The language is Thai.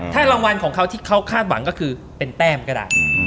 ถ้ารางวัลของเขาที่เขาคาดหวังก็คือเป็นแต้มก็ได้